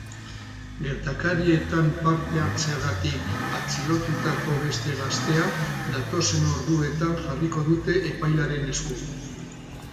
Gertakarietan parte hartzeagatik atxilotutako beste gaztea datozen orduetan jarriko dute epailearen esku.